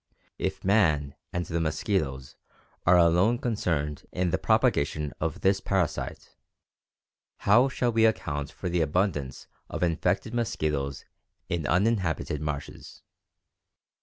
If man and the mosquitoes are alone concerned in the propagation of this parasite, how shall we account for the abundance of infected mosquitoes in uninhabited marshes?